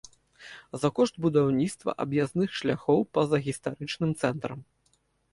За кошт будаўніцтва аб'яздных шляхоў па-за гістарычным цэнтрам.